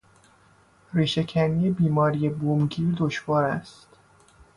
ریشهکنی بیماری بومگیر دشوار است.